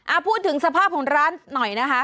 พูดถึงสภาพของร้านหน่อยนะคะ